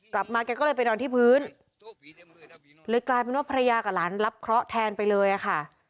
แกก็เลยไปนอนที่พื้นเลยกลายเป็นว่าภรรยากับหลานรับเคราะห์แทนไปเลยอะค่ะ